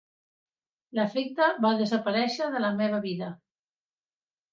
L'afecte va desaparèixer de la meva vida.